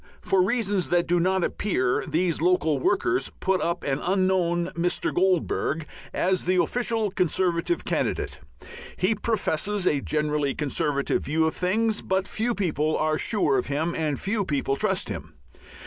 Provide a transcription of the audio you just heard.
For reasons that do not appear these local "workers" put up an unknown Mr. Goldbug as the official Conservative candidate. He professes a generally Conservative view of things, but few people are sure of him and few people trust him.